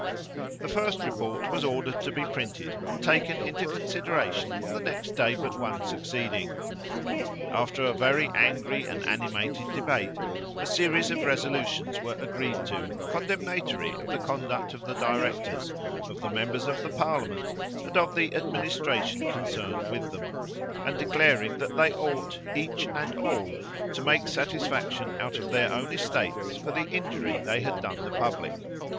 The first report was ordered to be printed, and taken into consideration on the next day but one succeeding. After a very angry and animated debate, a series of resolutions were agreed to, condemnatory of the conduct of the directors, of the members of the parliament and of the administration concerned with them; and declaring that they ought, each and all, to make satisfaction out of their own estates for the injury they had done the public.